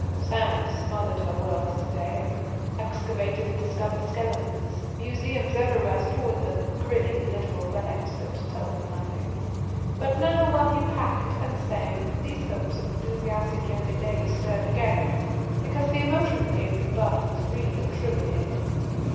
Sand smothered her world to day. Excavators discovered skeletons. Museums everywhere stored them grinning, literal relics that told nothing. But now, while he packed and sang, these hopes of enthusiastic younger days stirred again because the emotion that gave them birth was real and true in him.